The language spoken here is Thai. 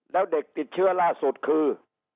แล้วเด็กติดเชื้อล่าสุดคือ